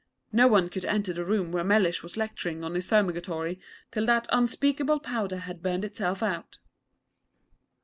No one could enter the room where Mellish was lecturing on his Fumigatory till that unspeakable powder had burned itself out.